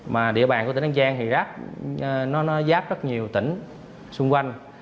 mà địa bàn của tỉnh an giang thì rác nó giáp rất nhiều tỉnh xung quanh